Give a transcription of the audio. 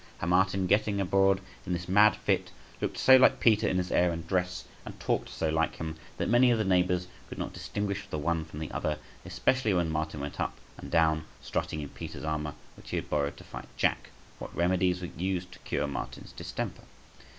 How Martin, getting abroad in this mad fit, looked so like Peter in his air and dress, and talked so like him, that many of the neighbours could not distinguish the one from the other; especially when Martin went up and down strutting in Peter's armour, which he had borrowed to fight Jack {165a}. What remedies were used to cure Martin's distemper